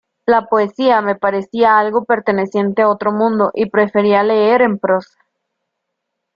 La poesía me parecía algo perteneciente a otro mundo y prefería leer en prosa.